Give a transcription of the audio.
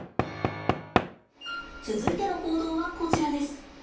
続いての行動はこちらです。